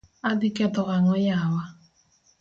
Adhi ketho ang'o yawa.